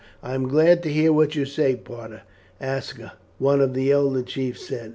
"I am glad to hear what you say, Parta," Aska, one of the older chiefs, said.